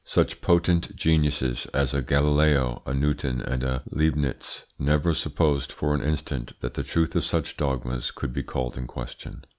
Such potent geniuses as a Galileo, a Newton, and a Leibnitz never supposed for an instant that the truth of such dogmas could be called in question.